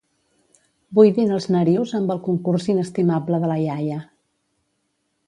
Buidin els narius amb el concurs inestimable de la iaia.